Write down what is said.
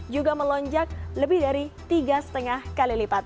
juga melonjak lebih dari tiga lima kali lipat